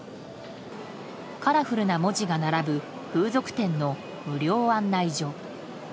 カラフルな文字が並ぶ風俗店の無料案内所。